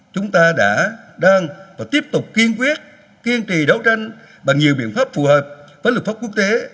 chúng ta đã đang và tiếp tục kiên quyết kiên trì đấu tranh bằng nhiều biện pháp phù hợp với lực pháp quốc tế